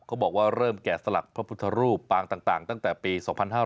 บอกว่าเริ่มแก่สลักพระพุทธรูปปางต่างตั้งแต่ปี๒๕๕๙